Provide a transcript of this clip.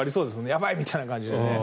やばいみたいな感じでね。